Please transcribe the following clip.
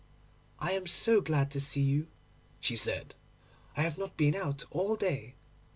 "I am so glad to see you," she said; "I have not been out all day."